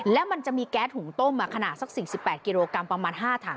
แล้วมันจะมีแก๊สหุงต้มขนาดสัก๔๘กิโลกรัมประมาณ๕ถัง